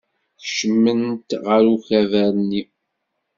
Kecment ɣer ukabar-nni.